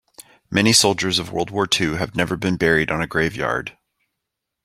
Many soldiers of world war two have never been buried on a grave yard.